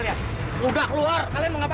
namanya liat anjing er